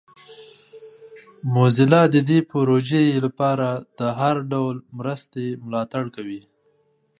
موزیلا د دې پروژې لپاره د هر ډول مرستې ملاتړ کوي.